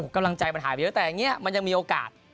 กำลังใจมันหายไปเยอะแต่อย่างนี้มันยังมีโอกาส